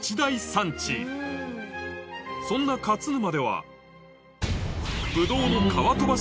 そんな勝沼ではなる